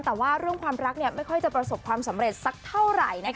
แต่ว่าเรื่องความรักไม่ค่อยจะประสบความสำเร็จสักเท่าไหร่